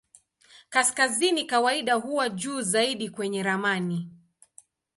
Kaskazini kawaida huwa juu zaidi kwenye ramani.